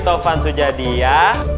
topan sudjadi ya